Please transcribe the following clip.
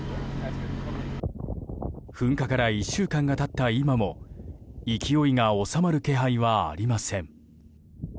噴火から１週間が経った今も勢いが収まる気配はありません。